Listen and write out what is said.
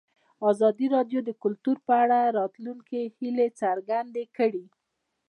ازادي راډیو د کلتور په اړه د راتلونکي هیلې څرګندې کړې.